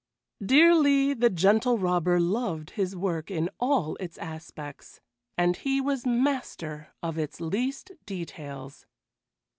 Dearly the Gentle Robber loved his work in all its aspects, and he was master of its least details.